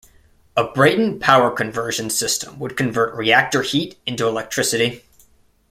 A Brayton power conversion system would convert reactor heat into electricity.